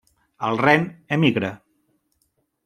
El ren emigra.